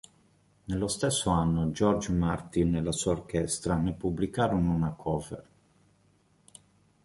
Nello stesso anno, George Martin e la sua orchestra ne pubblicarono una "cover".